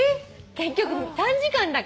結局短時間だから。